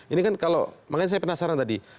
ini kan kalau makanya saya penasaran tadi